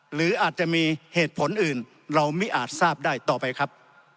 หรืออาจจะมีเหตุผลอื่นเราไม่อาจทราบได้ต่อไปครับ